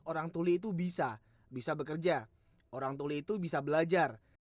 orang tuli itu bisa bisa bekerja orang tuli itu bisa belajar